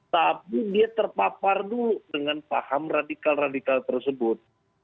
tapi dia terpapar dulu dengan paham radikal radikal tersebut